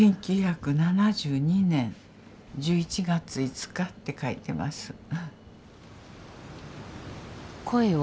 １９７２年１１月５日って書いてます。